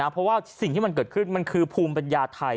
เพราะว่าสิ่งที่มันเกิดขึ้นมันคือภูมิปัญญาไทย